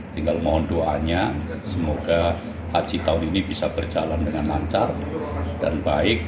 tinggal mohon doanya semoga haji tahun ini bisa berjalan dengan lancar dan baik